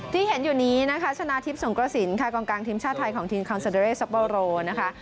ที่เห็นอยู่นี้นะคะชนะทิพย์สงกระศิลป์ค่ะกลางทิมชาติไทยของทีมของสับปะโลนะคะ